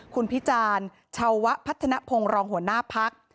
คุณพิจารณ์ชาวพัฒนภงรองหัวหน้าพัก